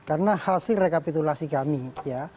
karena hasil rekapitulasi kami ya